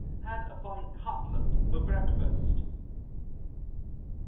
Had a fine cutlet for breakfast."